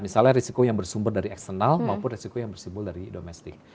misalnya risiko yang bersumber dari eksternal maupun risiko yang bersibul dari domestik